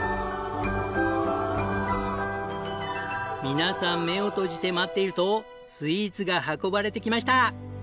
皆さん目を閉じて待っているとスイーツが運ばれてきました。